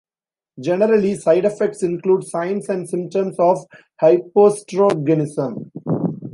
Generally, side effects include signs and symptoms of hypoestrogenism.